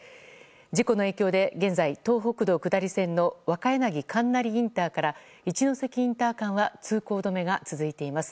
事故の影響で現在東北道下り線の若柳金成インターから一関インター間は通行止めが続いています。